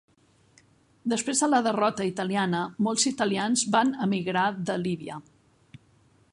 Després de la derrota italiana molts italians van emigrar de Líbia.